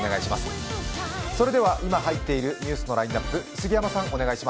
それでは今入っているニュースのラインナップ、杉山さん。